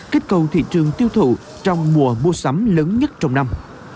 kích cầu thị trường tiêu thụ trong mùa mua sắm lớn nhất trong năm